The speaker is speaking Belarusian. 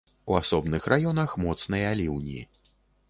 У асобных раёнах моцныя ліўні.